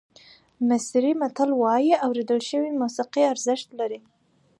مصري متل وایي اورېدل شوې موسیقي ارزښت لري.